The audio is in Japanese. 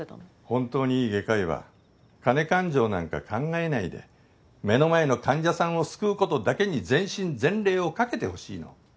本当にいい外科医は金勘定なんか考えないで目の前の患者さんを救う事だけに全身全霊をかけてほしいの。